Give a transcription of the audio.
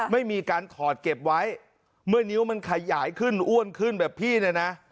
ไม่มีการถอดเก็บไว้เมื่อนิ้วมันขยายขึ้นอ้วนขึ้นแบบพี่เนี่ยนะ